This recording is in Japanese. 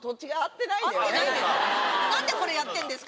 なんでこれやってるんですか？